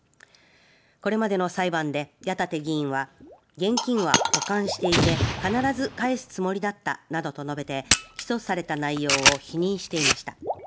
これまでの裁判で矢立議員が現金は保管していて必ず返すつもりだったなどと述べて、起訴された内容を否認していました。